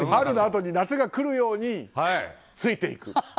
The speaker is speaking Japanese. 春のあとに夏が来るようについていく。